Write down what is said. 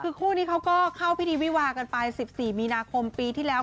คือคู่นี้เขาก็เข้าพิธีวิวากันไป๑๔มีนาคมปีที่แล้ว